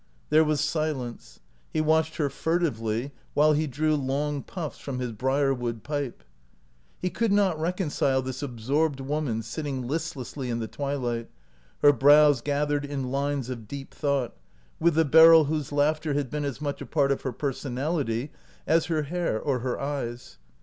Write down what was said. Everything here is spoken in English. There was silence. He watched her fur tively while he drew long puffs from his brierwood pipe. He could not reconcile this absorbed woman sitting listlessly in the twilight, her brows gathered in lines of deep thought, with the Beryl whose laughter had been as much a part of her personality as her hair or her eyes.